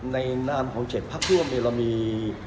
ในนามของเฉศพักห้วมเนี่ยเรามี